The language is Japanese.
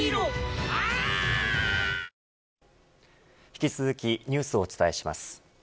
引き続きニュースをお伝えします。